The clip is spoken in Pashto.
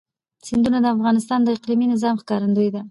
سیندونه د افغانستان د اقلیمي نظام ښکارندوی ده.